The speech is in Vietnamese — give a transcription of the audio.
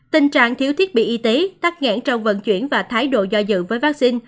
tình trạng thiếu thiết bị y tế tắc nghẽn trong vận chuyển và thái độ do dự với vaccine